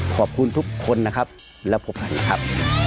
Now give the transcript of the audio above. ขอบคุณทุกคนนะครับและพบกันนะครับ